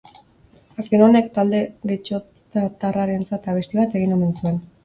Azken honek talde getxoztarrarentzat abesti bat egin omen du.